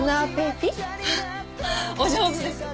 フフお上手です。